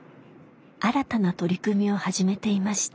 新たな取り組みを始めていました。